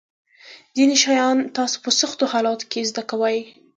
ځینې شیان تاسو په سختو حالاتو کې زده کوئ.